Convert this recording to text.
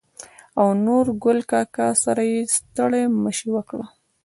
او نورګل کاکا سره يې ستړي مشې وکړه.